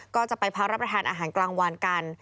ก็จะไปพักรับประทานอาหารกลางวันกัน